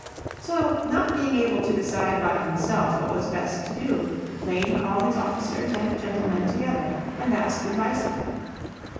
So not being able to decide by himself what was best to do, Lane called his officers and gentlemen together, and asked advice of them.